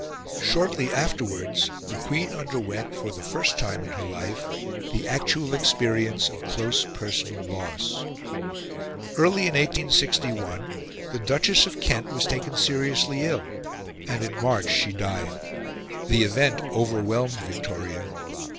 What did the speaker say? Shortly afterwards the Queen underwent, for the first time in her life, the actual experience of close personal loss. Early in 1861 the Duchess of Kent was taken seriously ill, and in March she died. The event overwhelmed Victoria.